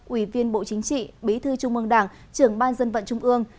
ủy viên bộ chính trị bí thư trung mương đảng trưởng ban dân vận trung ương